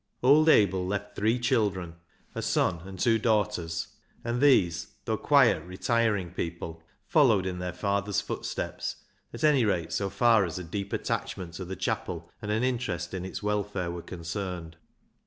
Old Abel left three children, a son and two daughters, and these, though quiet retiring people, followed in their father's footsteps, at any rate so far as a deep attachment to the chapel and an interest in its welfare were concerned.